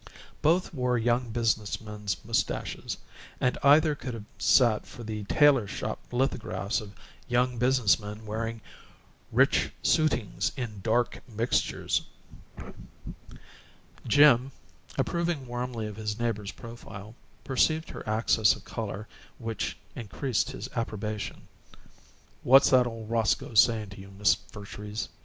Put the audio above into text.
Both wore young business men's mustaches, and either could have sat for the tailor shop lithographs of young business men wearing "rich suitings in dark mixtures." Jim, approving warmly of his neighbor's profile, perceived her access of color, which increased his approbation. "What's that old Roscoe saying to you, Miss Vertrees?"